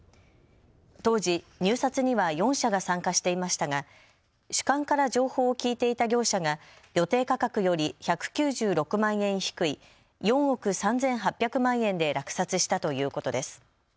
当時、入札には４社が参加していましたが主幹から情報を聞いていた業者が予定価格より１９６万円低い４億３８００万円で落札したということです。